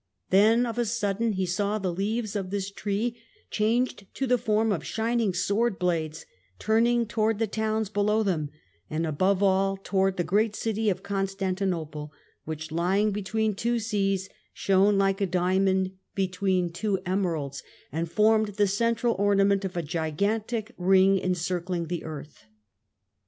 Then, of a sudden, he saw the leaves of this tree, changed to the form of shining sword blades, turn ing towards the towns below them, and above all to wards the great city of Constantinople which, lying between two seas, shone like a diamond between two THE GREEK EMPIRE AND OTTOMAN TURKS 259 emeralds, and formed the central ornament of a gigantic ring encircling the earth.